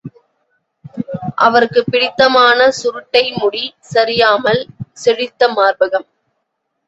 அவருக்குப் பிடித்தமான சுருட்டை முடி சரியாமல், செழுத்த மார்பகம்.